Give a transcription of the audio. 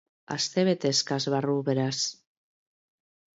Astebete eskas barru, beraz.